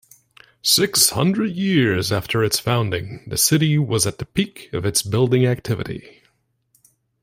Six hundred years after its founding, the city was at the peak of its building activity.